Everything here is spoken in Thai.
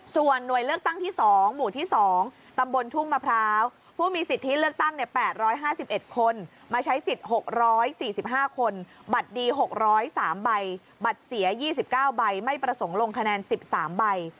ส่วนหน่วยเลือกตั้งที่๒หมู่ที่๒ตำบลทุ่งมะพร้าวผู้มีสิทธิเลือกตั้ง๘๕๑คนมาใช้สิทธิ์๖๔๕คนบัตรดี๖๐๓ใบบัตรเสีย๒๙ใบไม่ประสงค์ลงคะแนน๑๓ใบ